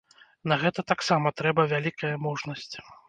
На гэта таксама трэба вялікая мужнасць.